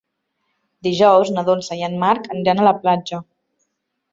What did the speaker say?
Dijous na Dolça i en Marc aniran a la platja.